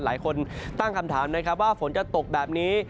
หลายคนตั้งคำถามนะครับว่าฝนจะตกแบบนี้